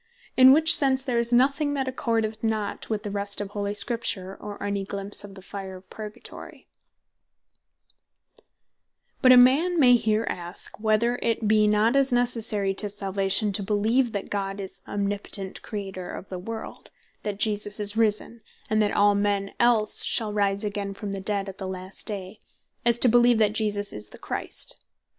In which sense there is nothing that accordeth not with the rest of Holy Scripture, or any glimpse of the fire of Purgatory. In What Sense Other Articles May Be Called Necessary But a man may here aske, whether it bee not as necessary to Salvation, to beleeve, that God is Omnipotent; Creator of the world; that Jesus Christ is risen; and that all men else shall rise again from the dead at the last day; as to beleeve, that Jesus Is The Christ.